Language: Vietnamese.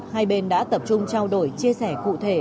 hai bên đã tập trung trao đổi chia sẻ cụ thể